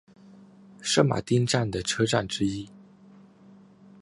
圣马丁站的车站之一。